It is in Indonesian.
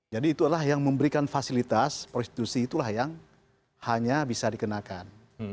jadi itulah yang memberikan fasilitas prostitusi itulah yang hanya bisa dikenakan